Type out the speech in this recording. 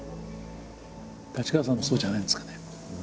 太刀川さんもそうじゃないんですかね。